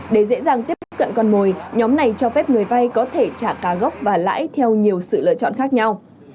để dễ dàng tiếp cận con mồi nhóm này cho phép người vay có thể trả cá gốc và lãi theo nhiều sự lựa chọn khác nhau